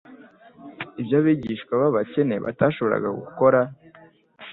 ibyo abigishwa b'abakene batashoboraga gukora,